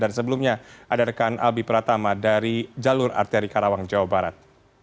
dan sebelumnya adakan albi pratama dari jalur arteri karawang jawa barat